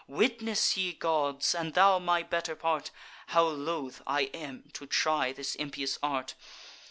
Witness, ye gods, and thou my better part, How loth I am to try this impious art!